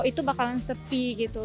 itu bakalan sepi gitu